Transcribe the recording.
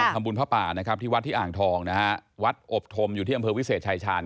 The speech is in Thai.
ทำบุญพระป่าที่วัดอ่างทองวัดอบธมฯอยู่ที่อำเภอวิเศษชายชาญ